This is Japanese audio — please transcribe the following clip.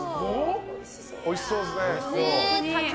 おいしそうですね。